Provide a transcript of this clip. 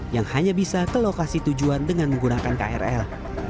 yang hanya bisa ke lokasi tujuan dengan menggunakan krl